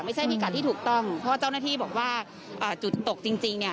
พิกัดที่ถูกต้องเพราะว่าเจ้าหน้าที่บอกว่าจุดตกจริงเนี่ย